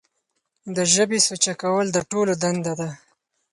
د ژبې سوچه کول د ټولو دنده ده.